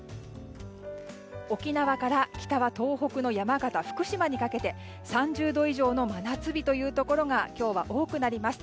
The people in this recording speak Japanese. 沖縄から北は東北の山形、福島にかけて３０度以上の真夏日というところが今日は多くなります。